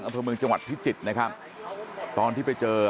อุ้มขึ้นมาจากแม่น้ำนาฬนะฮะ